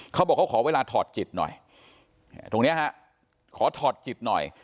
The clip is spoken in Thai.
เขาบอกเขาขอเวลาถอดจิตหน่อยตรงเนี้ยฮะขอถอดจิตหน่อย